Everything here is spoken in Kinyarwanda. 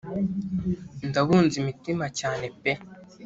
ndabunza imitima cyane pe